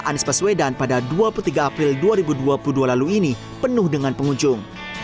anies baswedan pada dua puluh tiga april dua ribu dua puluh dua lalu ini penuh dengan pengunjung